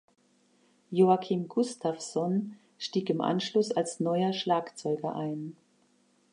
Joakim Gustafsson stieg im Anschluss als neuer Schlagzeuger ein.